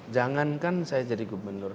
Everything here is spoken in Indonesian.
jangankan saya jadi gubernur